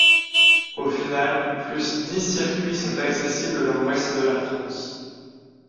Au finale, plus dix circuits sont accessibles dans l'Ouest de la France.